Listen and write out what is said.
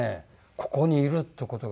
ここにいるって事がね